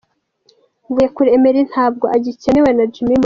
Mvuyekure Emery ntabwo agikenewe na Jimmy Mulisa.